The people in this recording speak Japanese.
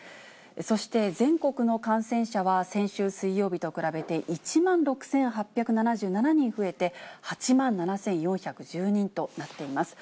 そして、全国の感染者は先週水曜日と比べて１万６８７７人増えて、８万７４１０人となっています。